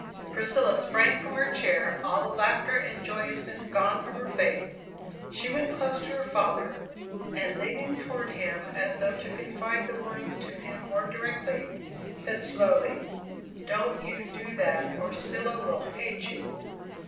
Priscilla sprang from her chair, all the laughter and joyousness gone from her face. She went close to her father, and leaning toward him as though to confide the warning to him more directly, said slowly: "Don't you do that or Cilla will hate you!"